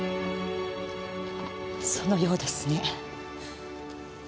そのようですね。